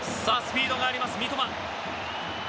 スピードがあります、三笘！